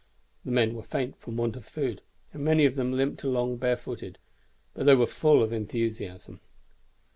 The men were faint from want of food, and many of them limped along barefooted; but they were full of enthusiasm.